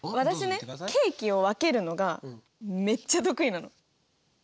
私ねケーキを分けるのがめっちゃ得意なの。